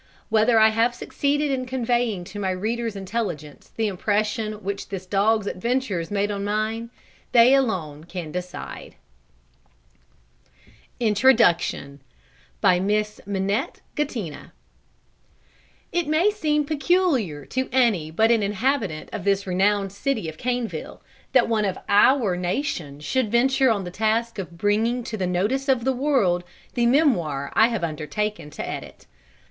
Whether I have succeeded in conveying to my readers' intelligence the impression which this Dog's Adventures made on mine, they alone can decide. A. E. LYNDHURST ROAD, PECKHAM. INTRODUCTION. BY MISS MINETTE GATTINA. It may seem peculiar to any but an inhabitant of this renowned city of Caneville, that one of our nation should venture on the task of bringing to the notice of the world the memoir I have undertaken to edit.